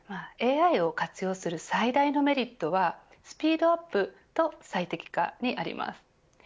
ＡＩを活用する最大のメリットはスピードアップと最適化にあります。